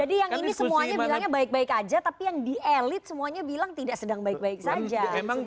jadi yang ini semuanya bilangnya baik baik aja tapi yang di elit semuanya bilang tidak sedang baik baik saja